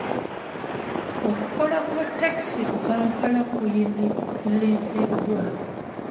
Okukola kwa takisi mu kampala kuyimiriziddwa.